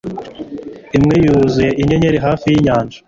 imwe yuzuye inyenyeri hafi yinyanja